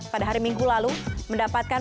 pada hari minggu lalu mendapatkan